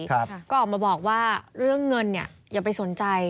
ก็ออกมาบอกว่าเรื่องเงินเนี่ยอย่าไปสนใจ